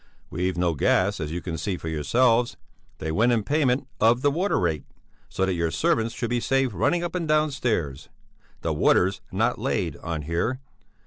We've no gas, as you can see for yourselves. They went in payment of the water rate so that your servants should be saved running up and down stairs; the water's not laid on here.